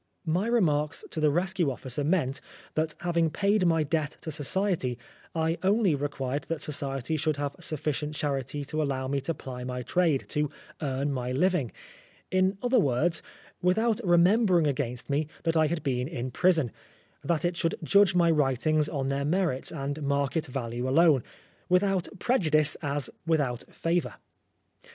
My remarks to the Rescue officer meant, that having paid my debt to Society, I only required that Society should have sufficient charity to allow me to ply my trade, to earn my living, in other words, without remem bering against me that I had been in prison, that it should judge my writings on their merits and market value alone, without prejudice as without favour.